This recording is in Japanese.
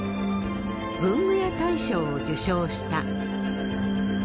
文具屋大賞を受賞した。